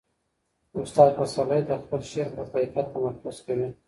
استاد پسرلی د خپل شعر پر کیفیت تمرکز کوي.